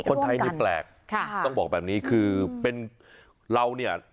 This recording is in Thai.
คนไทยนี่แปลกต้องบอกแบบนี้คือเป็นเราเนี่ย